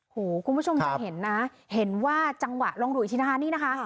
คุณผู้ชมจะเห็นนะเห็นว่าจังหวะลองหลุยที่นะคะนี่นะคะ